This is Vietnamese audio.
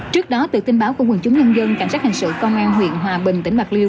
trước đó từ tin báo của quần chúng nhân dân cảnh sát hình sự công an huyện hòa bình tỉnh bạc liêu